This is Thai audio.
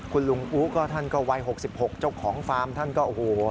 คุณลุงอุ๊ก็ท่านก็วัย๖๖เจ้าของฟาร์มท่านก็โอ้โห